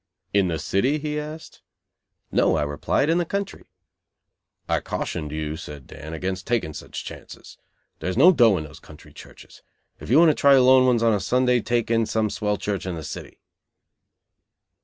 "In the city?" he asked. "No," I replied, "in the country." "I cautioned you," said Dan, "against taking such chances. There's no dough in these country churches. If you want to try lone ones on a Sunday take in some swell church in the city."